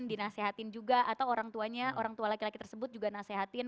dinasehatin juga atau orang tuanya orang tua laki laki tersebut juga nasehatin